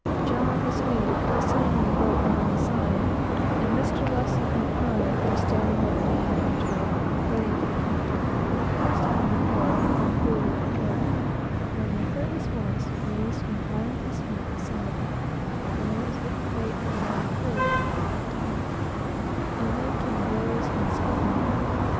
John, the Swede, was sitting in the boat alongside, and Russell and myself were standing by the main hatchway, waiting for the captain, who was down in the hold, where the crew were at work, when we heard his voice raised in violent dispute with somebody, whether it was with the mate, or one of the crew, I could not tell; and then came blows and scuffling.